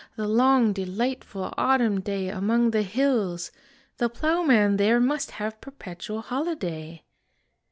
The long, delightful autumn day Among the hills! the ploughman there Must have perpetual holiday!